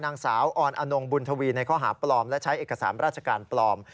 นางสาวออนอนงบุญทวีในข้อหาปลอมและใช้เอกสารราชการปลอม